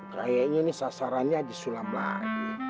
kayaknya ini sasarannya disullam lagi